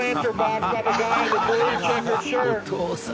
「お父さん！」